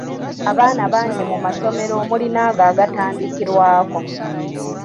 Abaana bangi mu masomero omuli n’ago agatandikirwako.